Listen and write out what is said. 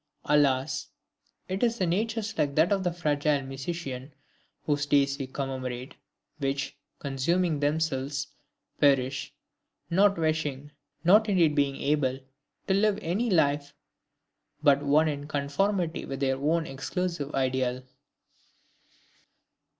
Alas! it is the natures like that of the fragile musician whose days we commemorate, which, consuming themselves, perish; not wishing, not indeed being able, to live any life but one in conformity with their own exclusive Ideal.